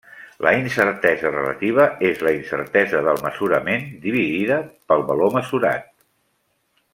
La incertesa relativa és la incertesa del mesurament dividida pel valor mesurat.